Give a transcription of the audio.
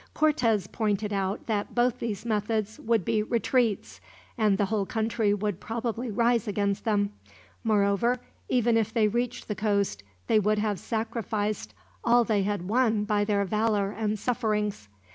Cortez pointed out that both these methods would be retreats, and the whole country would probably rise against them. Moreover, even if they reached the coast, they would have sacrificed all they had won by their valor and sufferings.